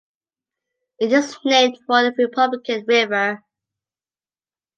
It is named for the Republican River.